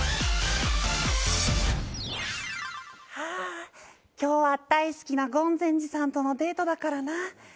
ああ今日は大好きな権前寺さんとのデートだからなぁ。